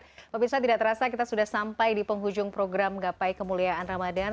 pemirsa tidak terasa kita sudah sampai di penghujung program gapai kemuliaan ramadhan